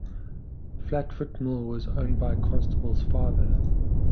Flatford Mill was owned by Constable's father.